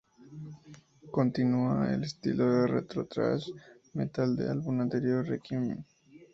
Continúa con el estilo retro-thrash metal del álbum anterior, "Requiem".